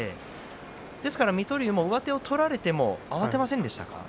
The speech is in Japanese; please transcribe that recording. ですから水戸龍は上手を取られても慌てませんでした。